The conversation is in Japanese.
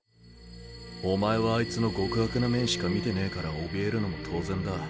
お前はあいつの極悪な面しか見てねえから怯えるのも当然だ。